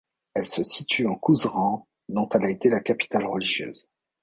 Elle se situe en Couserans, dont elle a été la capitale religieuse.